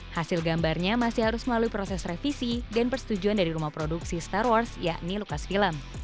hasil gambarnya masih harus melalui proses revisi dan persetujuan dari rumah produksi star wars yakni lukas film